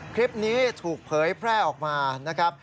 คลิปนี้ถูกเผยแพร่ออกมานะครับ